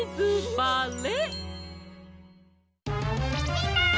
みんな！